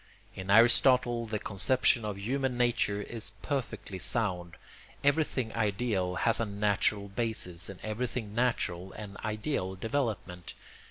In Aristotle the conception of human nature is perfectly sound; everything ideal has a natural basis and everything natural an ideal development.